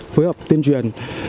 phối hợp tiên truyền